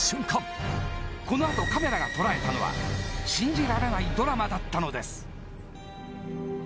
このあとカメラが捉えたのは信じられないドラマだったのです